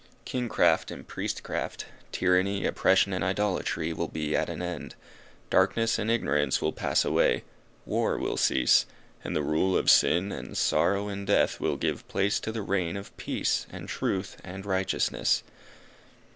Kingcraft and priestcraft, tyranny, oppression and idolatry will be at an end, darkness and ignorance will pass away, war will cease, and the rule of sin, and sorrow, and death will give place to the reign of peace, and truth, and righteousness.